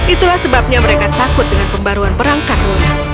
itulah sebabnya mereka takut dengan pembaruan perangkat lunak